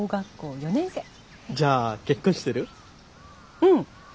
うん。